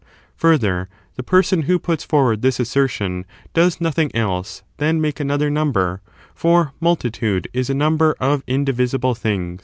Further, the person who puts forward this assertion does nothing else than make another number^ for multitude is a number of indivisible things.